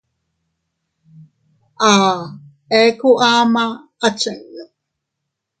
A eku ama a chinnu.